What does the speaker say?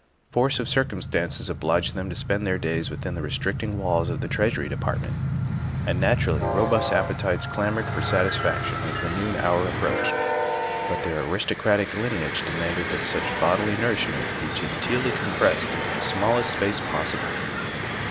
Force of circumstances obliged them to spend their days within the restricting walls of the Treasury Department, and naturally robust appetites clamored for satisfaction as the noon hour approached, but their aristocratic lineage demanded that such bodily nourish ment be genteelly compressed into the smallest space possible.